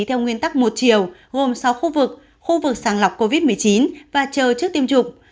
theo nguyên tắc một chiều gồm sáu khu vực khu vực sàng lọc covid một mươi chín và chờ trước tiêm chủng